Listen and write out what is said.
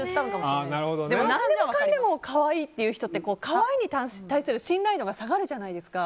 何でもかんでも可愛いって言う人って可愛いに対する信頼度が下がるじゃないですか。